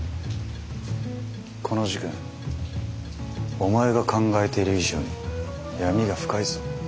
この事件お前が考えている以上に闇が深いぞ。